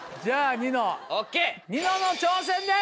ニノの挑戦です。